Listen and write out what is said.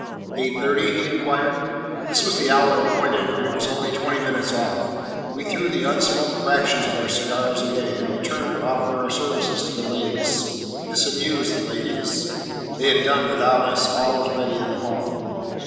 "Eight thirty?" he inquired. This was the hour appointed, and it was only twenty minutes off. We threw the unsmoked fractions of our cigars away, and returned to offer our services to the ladies. This amused the ladies. They had done without us. All was ready in the hall.